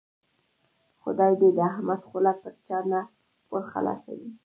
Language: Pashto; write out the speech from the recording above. خدای دې د احمد خوله پر چا نه ور خلاصوي.